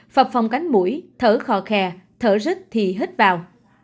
phập phòng cánh mũi thở khò khè thở rứt thì hít vào